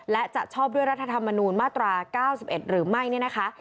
และจะชอบด้วยรัฐธรรมนูญมาตรา๙๑หรือไม่เนี่ยนะคะ